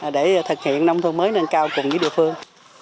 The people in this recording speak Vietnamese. để thực hiện nông thôn mới lên cao cùng với địa phương